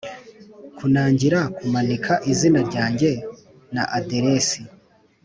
kunangira kumanika izina ryanjye na aderesi.